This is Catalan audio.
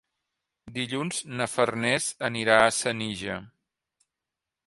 Dilluns na Farners anirà a Senija.